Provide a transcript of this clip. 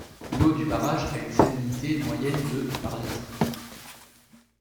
L'eau du barrage a une salinité moyenne de par litre.